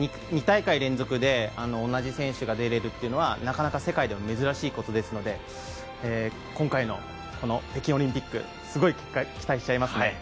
２大会連続で同じ選手が出れるというのはなかなか世界でも珍しいことですので今回の北京オリンピックすごい期待しちゃいますね。